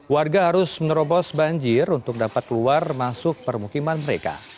warga harus menerobos banjir untuk dapat keluar masuk permukiman mereka